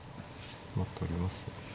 まあ取りますよね。